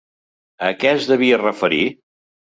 A què es devia referir?